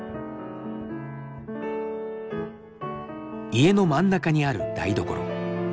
家の真ん中にある台所。